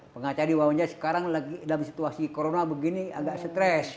pengacara di wawonja sekarang lagi dalam situasi corona begini agak stress